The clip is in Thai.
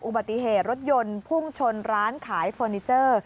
อุบัติเหตุรถยนต์พุ่งชนร้านขายเฟอร์นิเจอร์